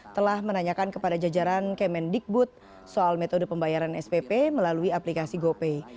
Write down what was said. telah menanyakan kepada jajaran kemendikbud soal metode pembayaran spp melalui aplikasi gopay